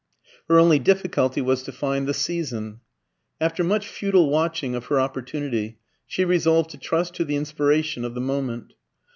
Her only difficulty was to find the season. After much futile watching of her opportunity, she resolved to trust to the inspiration of the moment.